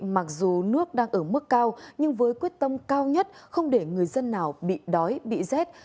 mặc dù nước đang ở mức cao nhưng với quyết tâm cao nhất không để người dân nào bị đói bị rét